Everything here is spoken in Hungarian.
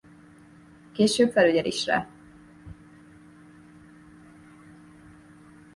Később felügyel is rá.